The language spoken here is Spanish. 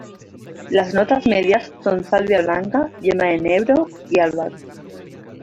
Las notas medias son salvia blanca, yema de enebro y albahaca.